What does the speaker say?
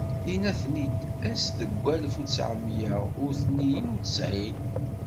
Yenna-ten-id ass deg walef uttɛemya u tniyen u ttɛin.